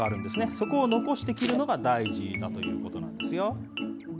そこを残して切るのが大事だということなんですよ。